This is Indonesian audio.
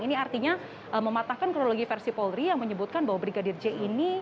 ini artinya mematahkan kronologi versi polri yang menyebutkan bahwa brigadir j ini